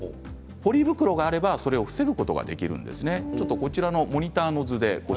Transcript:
ポリ袋があればそれを防ぐことができるんです。